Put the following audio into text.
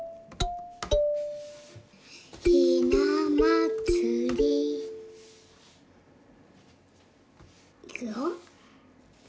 「ひなまつり」いくよ。